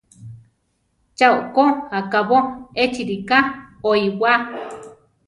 ¡Cha okó akábo échi rika oíwaa!